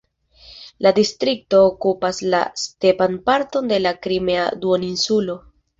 La distrikto okupas la stepan parton de la Krimea duoninsulo.